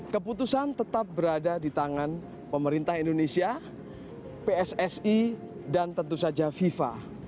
keputusan tetap berada di tangan pemerintah indonesia pssi dan tentu saja fifa